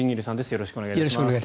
よろしくお願いします。